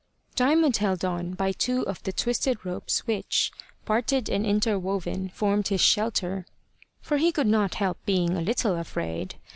Diamond held on by two of the twisted ropes which, parted and interwoven, formed his shelter, for he could not help being a little afraid.